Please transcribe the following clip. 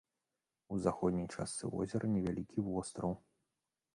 У заходняй частцы возера невялікі востраў.